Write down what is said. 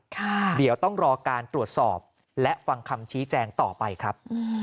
เดี๋ยวต้องรอการตรวจสอบและฟังคำชี้แจงต่อไปครับ